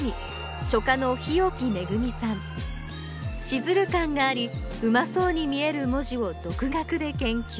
シズル感がありうまそうに見える文字を独学で研究。